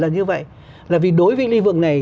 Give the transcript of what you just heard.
như vậy là vì đối với lý vượng này